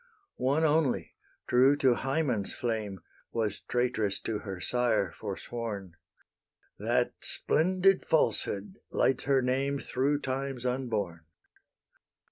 One only, true to Hymen's flame, Was traitress to her sire forsworn: That splendid falsehood lights her name Through times unborn.